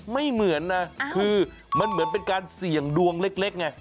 ไม่เหมือนนะคือมันเหมือนเป็นการเสี่ยงดวงเล็กไง